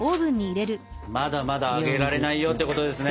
まだまだ揚げられないよってことですね。